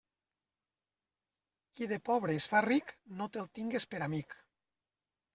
Qui de pobre es fa ric, no te'l tingues per amic.